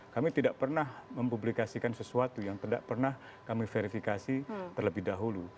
kami tidak pernah mempublikasikan sesuatu yang tidak pernah kami verifikasi terlebih dahulu